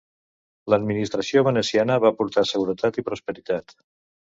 L'administració veneciana va portar seguretat i prosperitat.